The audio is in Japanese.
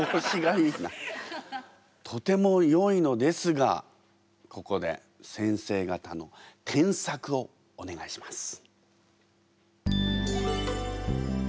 とてもよいのですがここで先生方の添削をお願いします。